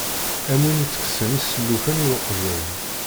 Am win itekksen isellufen i uqjun.